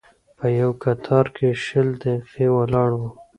په یوه کتار کې شل دقیقې ولاړ وم.